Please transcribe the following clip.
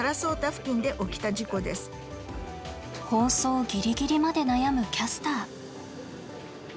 放送ギリギリまで悩むキャスター。